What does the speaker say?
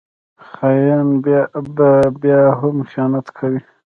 خاین به بیا هم خیانت کوي